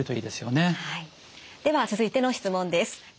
では続いての質問です。